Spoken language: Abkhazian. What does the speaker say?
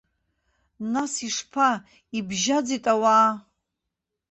Нас ишԥа, ибжьаӡит ауаа!